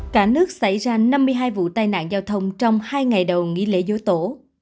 cả nước xảy ra năm mươi hai vụ tai nạn giao thông trong hai ngày đầu nghỉ lễ dỗ tổ